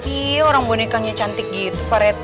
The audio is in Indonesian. ih orang bonekanya cantik gitu pak red